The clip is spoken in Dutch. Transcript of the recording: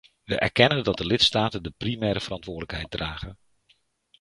We erkennen dat de lidstaten de primaire verantwoordelijkheid dragen.